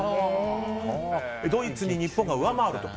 ドイツに日本が上回ると？